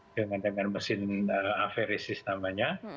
dengan dengan mesin aferesis namanya